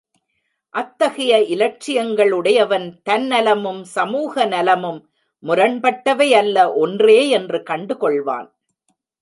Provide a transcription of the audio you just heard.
அத்தகைய இலட்சியங்கள் உடையவன் தன் நலமும், சமூகநலமும் முரண்பட்டவையல்ல, ஒன்றேயென்று கண்டு கொள்ளுவான்.